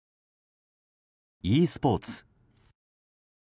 ｅスポーツ。